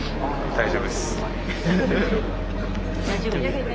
大丈夫っす。